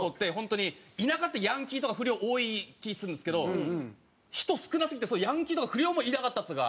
田舎ってヤンキーとか不良多い気するんですけど人少なすぎてヤンキーとか不良もいなかったっつうか。